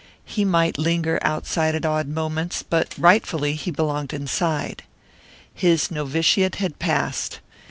He might linger outside at odd moments, but rightfully he belonged inside. His novitiate had passed.